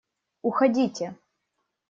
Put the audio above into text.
Уходите!..